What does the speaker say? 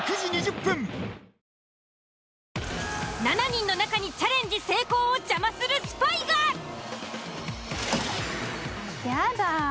７人の中にチャレンジ成功を邪魔するスパイが！やだ。